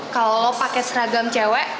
kalau lo pake seragam cewek